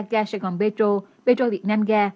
ga sài gòn petro petro việt nam ga